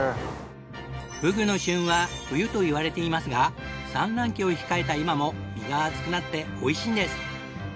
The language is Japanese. フグの旬は冬といわれていますが産卵期を控えた今も身が厚くなっておいしいんです。